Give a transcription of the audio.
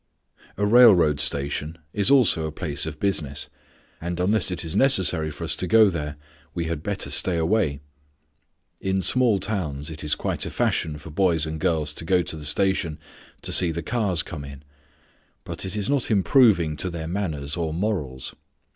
A railroad station is also a place of business, and unless it is necessary for us to go there, we had better stay away. In small towns it is quite a fashion for boys and girls to go to the station "to see the cars come in"; but it is not improving to their manners or morals.